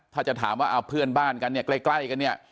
ถ้าจะถามว่าเอาเพื่อนบ้านกันเนี่ยใกล้กันเนี่ย